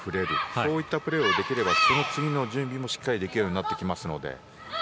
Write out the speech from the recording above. そういったプレーをすれば次の準備もしっかりできるようになってきますので。